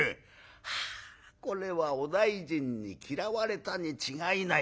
はあこれはお大尽に嫌われたに違いない。